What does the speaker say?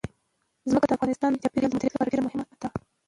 ځمکه د افغانستان د چاپیریال د مدیریت لپاره ډېر مهم دي.